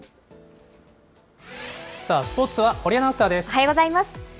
スポーツは堀アナウンサーでおはようございます。